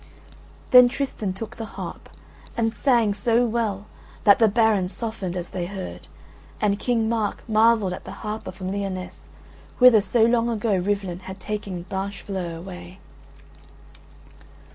Then Tristan took the harp and sang so well that the barons softened as they heard, and King Mark marvelled at the harper from Lyonesse whither so long ago Rivalen had taken Blanchefleur away.